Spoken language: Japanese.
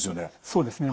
そうですね。